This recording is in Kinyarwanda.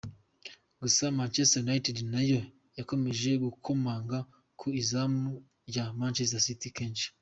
Gusa Manchester United nayo yakomeje gukomanga ku izamu rya Manchetser City kenshi .